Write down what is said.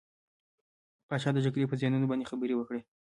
پاچا د جګرې په زيانونو باندې خبرې وکړې .